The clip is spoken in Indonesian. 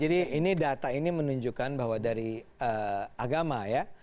jadi ini data ini menunjukkan bahwa dari agama ya